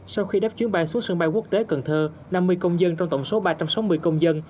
sau khi đắp chuyến bay xuống sân bay quốc tế cần thơ năm mươi công dân trong tổng số ba trăm sáu mươi công dân